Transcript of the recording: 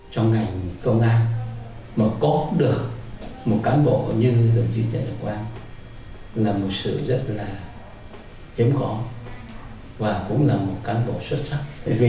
trong ngành công an có được một cán bộ như trần đại quang là một sự rất là hiếm có và cũng là một cán bộ xuất sắc